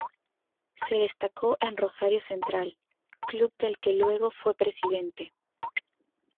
Se destacó en Rosario Central, club del que luego fue presidente.